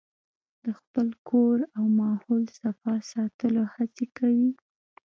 د خپل کور او ماحول صفا ساتلو هڅې کوي.